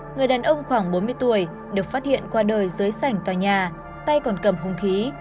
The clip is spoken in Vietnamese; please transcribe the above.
người đàn ông khoảng bốn mươi tuổi được phát hiện qua đời dưới sảnh tòa nhà tay còn cầm hùng khí